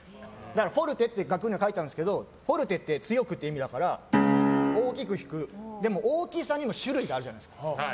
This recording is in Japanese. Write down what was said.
フォルテって楽譜には書いてあるんだけどフォルテって強くって意味だから大きく弾く、でも大きさにも種類があるじゃないですか。